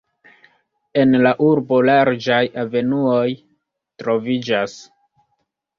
En la urbo larĝaj avenuoj troviĝas.